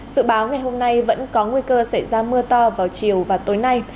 dự báo ngày hôm nay vẫn có nguy cơ xảy ra mưa to vào chiều và tối nay